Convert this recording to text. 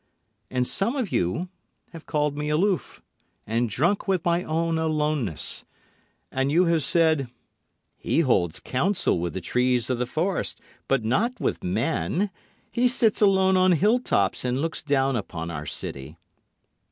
And some of you have called me aloof, and drunk with my own aloneness, And you have said, "He holds council with the trees of the forest, but not with men. He sits alone on hill tops and looks down upon our city."